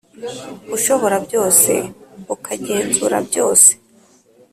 ushobora byose, ukagenzura byose,